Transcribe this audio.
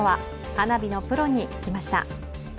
花火のプロに聞きました。